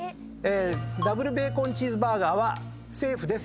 ダブルベーコンチーズバーガーはセーフです。